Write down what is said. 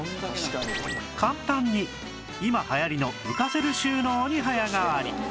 簡単に今流行りの浮かせる収納に早変わり